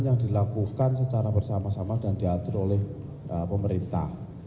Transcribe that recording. yang dilakukan secara bersama sama dan diatur oleh pemerintah